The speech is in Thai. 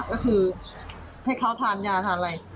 ก็คือให้เขาทานิยาอย่างไร